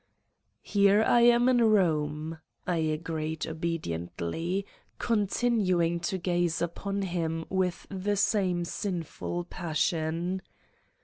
Satan's Diary "Here I am in Rome," I agreed obediently, con tinuing to gaze upon him with the same sinful passion.